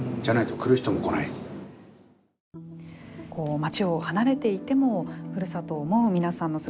町を離れていてもふるさとを思う皆さんの姿